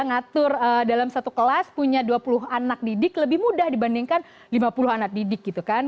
ngatur dalam satu kelas punya dua puluh anak didik lebih mudah dibandingkan lima puluh anak didik gitu kan